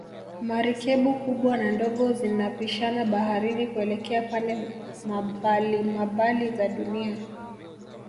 Merikebu kubwa na ndogo zinapishana baharini kuelekea pande mabalimabali za dunia